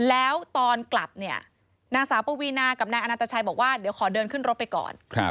แล้วตอนกลับเนี่ยนางสาวปวีนากับนายอนันตชัยบอกว่าเดี๋ยวขอเดินขึ้นรถไปก่อน